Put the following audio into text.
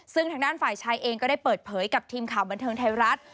ซึ่งทางด้านฝ่ายชายเองก็ได้เปิดเผยกับทีมข่าวบันเทิงไทยรัฐ